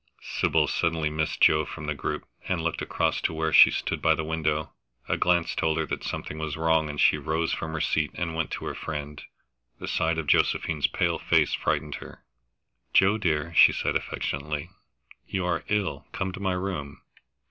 Sybil suddenly missed Joe from the group, and looked across to where she stood by the window. A glance told her that something was wrong, and she rose from her seat and went to her friend. The sight of Josephine's pale face frightened her. "Joe, dear," she said affectionately, "you are ill come to my room."